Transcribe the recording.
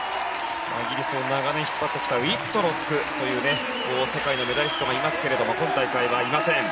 イギリスを長年引っ張ってきたウィットロックという世界のメダリストがいますが今大会はいません。